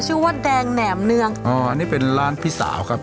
ชื่อว่าแดงแหนมเนืองอ๋อนี่เป็นร้านพี่สาวครับ